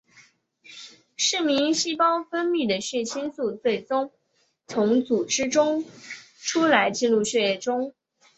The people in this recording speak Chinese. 嗜铬细胞分泌的血清素最终从组织中出来进入血液中。